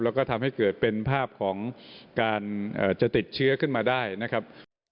แล้วก็ทำให้เกิดเป็นภาพของการจะติดเชื้อขึ้นมาได้นะครับ